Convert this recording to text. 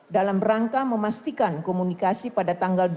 dalam rangka memastikan pesan yang tidak terhapus